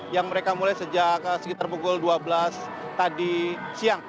yang mereka mulai sejak sekitar pukul dua belas tadi siang